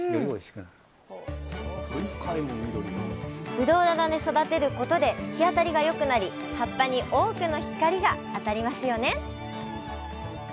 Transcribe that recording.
ぶどう棚で育てることで日当たりが良くなり葉っぱに多くの光が当たりますよね